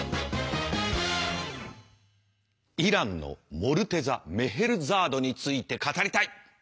イランのモルテザ・メヘルザードについて語りたい！